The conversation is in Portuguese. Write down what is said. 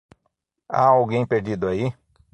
Há alguém perdido aí?